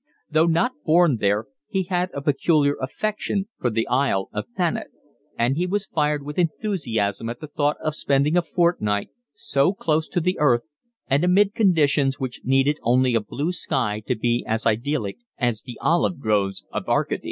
Though not born there, he had a peculiar affection for the Isle of Thanet, and he was fired with enthusiasm at the thought of spending a fortnight so close to the earth and amid conditions which needed only a blue sky to be as idyllic as the olive groves of Arcady.